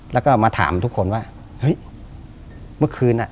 แล้วก็มาถามทุกคนว่าเฮ้ยเมื่อคืนอ่ะ